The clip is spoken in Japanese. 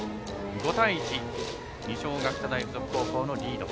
５対１二松学舎大付属高校のリード。